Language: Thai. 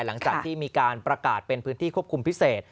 หลังจากที่มีการประกาศเป็นพื้นที่ควบคุมพิเศษ